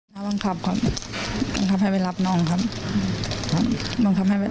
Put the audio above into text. น้าบังคับครับบังคับให้ไปรับน้องครับ